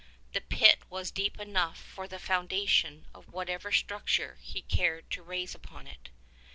The pit was deep enough for the foundations of whatever structure he cared to raise upon it.